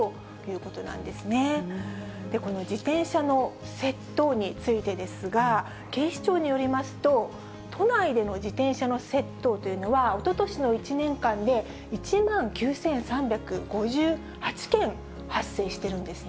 この自転車の窃盗についてですが、警視庁によりますと、都内での自転車の窃盗というのは、おととしの１年間で１万９３５８件発生しているんですね。